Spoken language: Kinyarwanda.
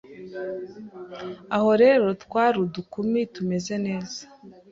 Aho rero twari udukumi tumeze neza,